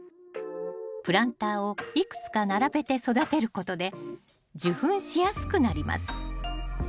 プランターをいくつか並べて育てることで受粉しやすくなります。